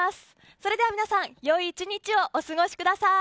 それでは皆さん良い１日をお過ごしください。